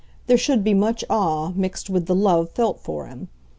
There should be much awe mixed with the love felt for him.